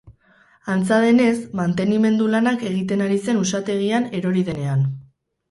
Antza denez, mantenimendu lanak egiten ari zen usategian, erori denean.